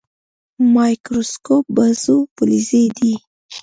مایکروسکوپ بازو فلزي دی.